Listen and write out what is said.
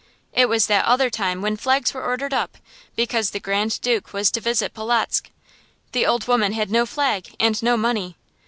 It was that other time when flags were ordered up, because the Grand Duke was to visit Polotzk. The old woman had no flag, and no money.